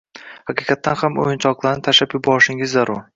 haqiqatdan ham uyinchoqlarni tashlab yuborishingiz zarur.